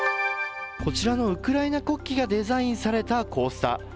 こちらのウクライナ国旗がデザインされたコースター。